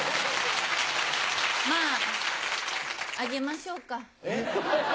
まぁあげましょうか。